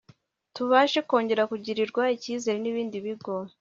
tuzabashe kongera kugirirwa icyizere n'ibindi bigo